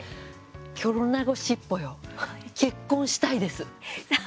キョロナゴシッポヨ「結婚したいです」。